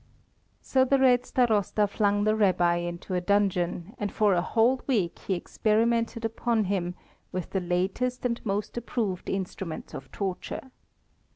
So the Red Starosta flung the Rabbi into a dungeon, and for a whole week he experimented upon him with the latest and most approved instruments of torture.